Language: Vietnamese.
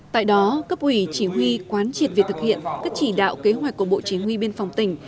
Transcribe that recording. tại đó cấp ủy chỉ huy quán triệt việc thực hiện các chỉ đạo kế hoạch của bộ chỉ huy biên phòng tỉnh